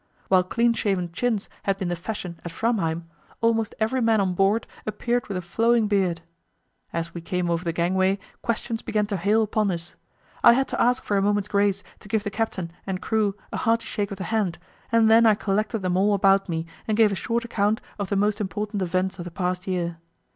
While clean shaven chins had been the fashion at Framheim, almost every man on board appeared with a flowing beard. As we came over the gangway questions began to hail upon us. I had to ask for a moment's grace to give the captain and crew a hearty shake of the hand, and then I collected them all about me and gave a short account of the most important events of the past year.